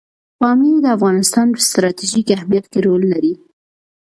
پامیر د افغانستان په ستراتیژیک اهمیت کې رول لري.